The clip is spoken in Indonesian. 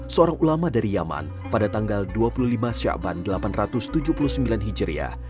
seorang ulama dari yaman pada tanggal dua puluh lima syakban delapan ratus tujuh puluh sembilan hijriah